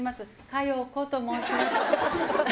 佳代子と申します。